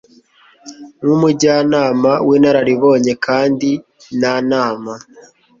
nk umujyanama w inararibonyekandi nta nama